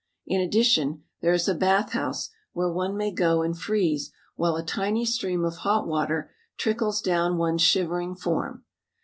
In addition there is a bath house where one may go and freeze while a tiny stream of hot water trickles down one's shivering form.